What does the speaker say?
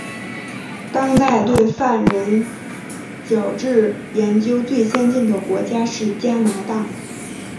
当代对犯人矫治研究最先进的国家是加拿大。